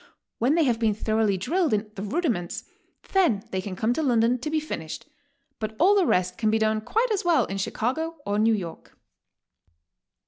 When they have been thoroughly drilled in the rudiments, then they can come to London to be finished, but all the rest can be done quite as well in Chicago or New York."